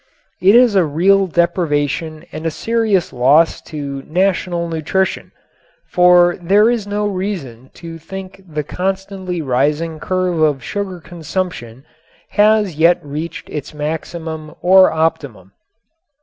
It is a real deprivation and a serious loss to national nutrition. For there is no reason to think the constantly rising curve of sugar consumption has yet reached its maximum or optimum.